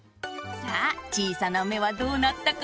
さあちいさなめはどうなったかな？